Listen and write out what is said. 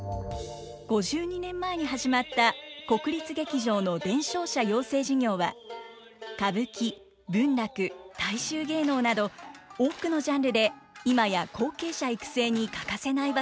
５２年前に始まった国立劇場の伝承者養成事業は歌舞伎文楽大衆芸能など多くのジャンルで今や後継者育成に欠かせない場所となっています。